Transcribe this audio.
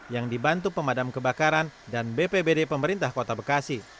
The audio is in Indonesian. yang dibantu pemadam kebakaran dan bpbd pemerintah kota bekasi